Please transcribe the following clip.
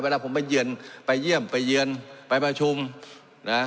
เวลาผมไปเยือนไปเยี่ยมไปเยือนไปประชุมนะ